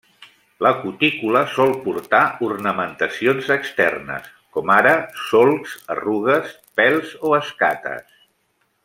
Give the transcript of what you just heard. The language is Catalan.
La cutícula sol portar ornamentacions externes, com ara solcs, arrugues, pèls o escates.